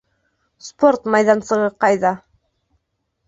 Спорт майҙансығы ҡайҙа?